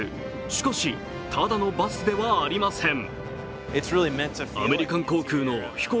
しかし、ただのバスではありません。